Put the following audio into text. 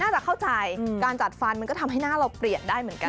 จะเข้าใจการจัดฟันมันก็ทำให้หน้าเราเปลี่ยนได้เหมือนกัน